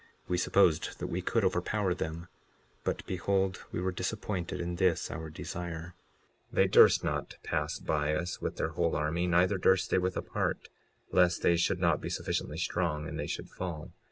We supposed that we could overpower them; but behold, we were disappointed in this our desire. 56:24 They durst not pass by us with their whole army, neither durst they with a part, lest they should not be sufficiently strong and they should fall.